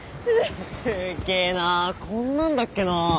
すっげえなあこんなんだっけな。